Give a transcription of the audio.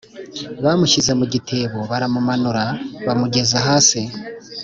Bamushyize mu gitebo baramumanura bamugeza hasi